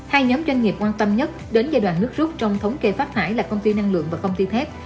hai nhóm doanh nghiệp quan tâm nhất đến giai đoạn nước rút trong thống kê phát thải là công ty năng lượng và công ty thép